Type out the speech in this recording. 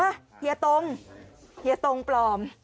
เฮียตรงเฮียตรงปลอม